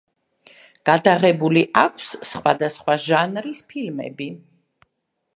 გადაღებული აქვს სხვადასხვა ჟანრის ფილმები.